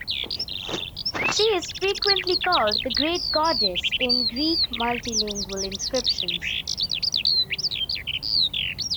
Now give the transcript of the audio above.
She is frequently called "the Great Goddess" in Greek in multi-lingual inscriptions.